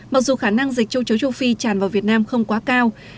mặc dù khả năng dịch châu chấu châu phi tràn vào việt nam không quá cao